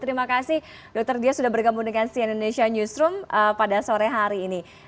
terima kasih dokter dia sudah bergabung dengan si indonesia newsroom pada sore hari ini